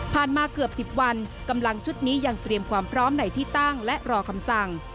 มาเกือบ๑๐วันกำลังชุดนี้ยังเตรียมความพร้อมในที่ตั้งและรอคำสั่ง